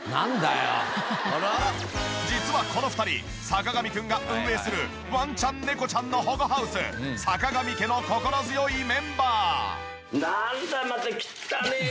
実はこの２人坂上くんが運営するワンちゃん猫ちゃんの保護ハウスさかがみ家の心強いメンバー。